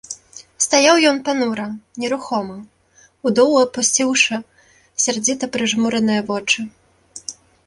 Стаяў ён панура, нерухома, у дол апусціўшы сярдзіта прыжмураныя вочы.